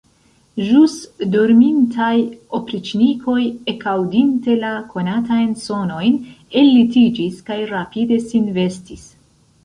Ĵus dormintaj opriĉnikoj, ekaŭdinte la konatajn sonojn, ellitiĝis kaj rapide sin vestis.